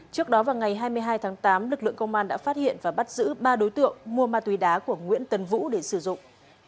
trước đó vào ngày hai mươi hai tháng tám lực lượng công an đã phát hiện và bắt giữ ba đối tượng mua ma túy đá của nguyễn tấn vũ để sử dụng